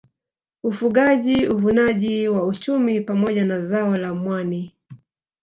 Ufugaji Uvunaji wa chumvi pamoja na zao la mwani